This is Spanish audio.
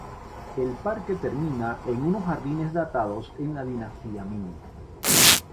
El parque termina en unos jardines datados en la dinastía Ming.